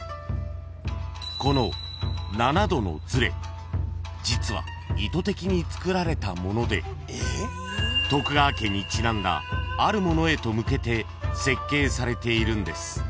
［この７度のずれ実は意図的につくられたもので徳川家にちなんだあるものへと向けて設計されているんです］